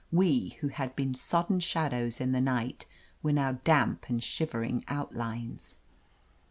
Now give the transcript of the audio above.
We, who had been sodden shadows in the night, were now damp and shivering outlines.